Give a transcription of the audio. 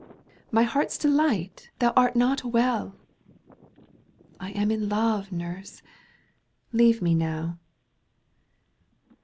* 77 " My heart's delight, thou axt not well." —" I am in love, nurse ! leave me now."